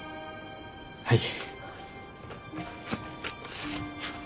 はい。